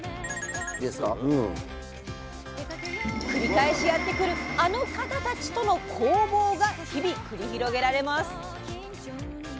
繰り返しやって来るあの方たちとの攻防が日々繰り広げられます。